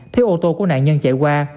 thấy ô tô của nạn nhân chạy qua